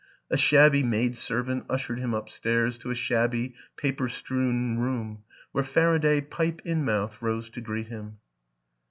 A shabby maid servant ushered him upstairs to a shabby, paper strewn room where Faraday, pipe in mouth, rose to greet him.